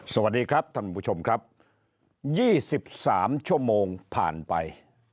สวัสดีครับท่านผู้ชมครับ๒๓ชั่วโมงผ่านไป